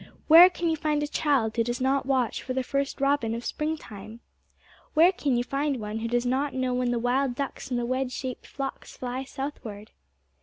Where can you find a child who does not watch for the first robin of spring time? Where can you find one who does not know when the wild ducks in the wedge shaped flocks fly southward?